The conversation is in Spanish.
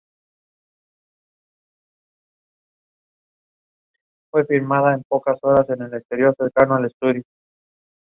Unión Republicana colaboró en distintos periodos con la Acción Republicana de Manuel Azaña.